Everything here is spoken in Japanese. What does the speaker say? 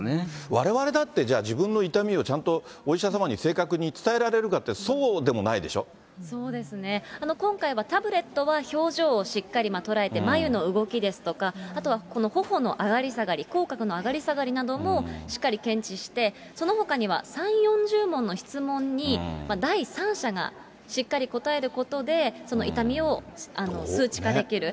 われわれだってじゃあ、自分の痛みをちゃんとお医者様に正確に伝えられるかって、そうでそうですね、今回はタブレットは表情をしっかり捉えて、眉の動きですとか、あとはほおの上がり下がり、口角の上がり下がりなどもしっかり検知して、そのほかには３、４０問の質問に、第三者がしっかり答えることで、その痛みを数値化できる。